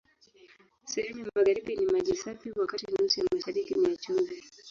Sehemu ya magharibi ni maji safi, wakati nusu ya mashariki ni ya chumvi.